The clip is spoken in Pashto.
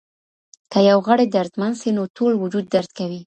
که یو غړی دردمن سي نو ټول وجود درد کوي.